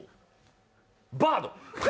バード。